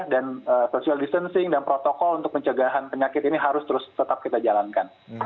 dan social distancing dan protokol untuk pencegahan penyakit ini harus terus tetap kita jalankan